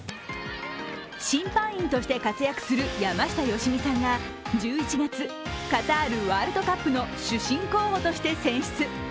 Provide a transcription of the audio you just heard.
審判員として活躍する山下良美さんが１１月、カタールワールドカップの主審候補として選出。